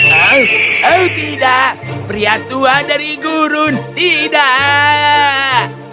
oh oh tidak pria tua dari gurun tidak